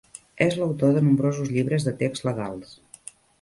És l'autor de nombrosos llibres de text legals.